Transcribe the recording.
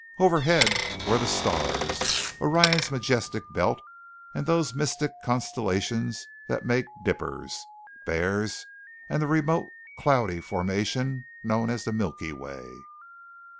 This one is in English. Overhead were the star Orion's majestic belt and those mystic constellations that make Dippers, Bears, and that remote cloudy formation known as the Milky Way.